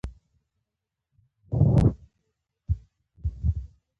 د سپټمبر میاشت له یخو زمرینو شپو او یخو سهارو سره راورسېده.